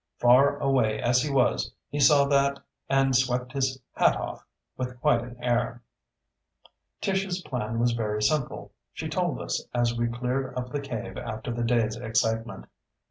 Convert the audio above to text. Far away as he was, he saw that and swept his hat off with quite an air. Tish's plan was very simple. She told us as we cleared up the cave after the day's excitement.